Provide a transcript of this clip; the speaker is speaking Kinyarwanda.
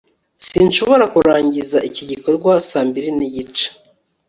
sinshobora kurangiza iki gikorwa saa mbiri n'igice